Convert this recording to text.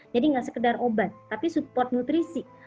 jadi nggak sekedar obat tapi support nutrisi